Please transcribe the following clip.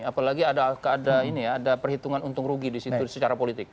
apalagi ada perhitungan untung rugi disitu secara politik